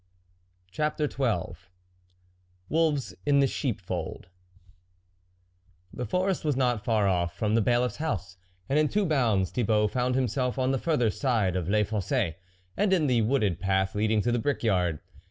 CHAPTER XII WOLVES IN THE SHEEP FOLD forest was not far from the ^ Bailiffs house, and in two bounds Tnibault found himself on the further side of Les Fossts, and in the wooded path leading to the brickyard.